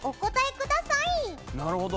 なるほど。